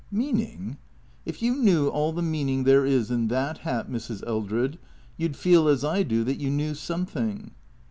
"Meaning? If you knew all the meaning there is in that hat, Mrs. Eldred, you 'd feel, as I do, that you knew something.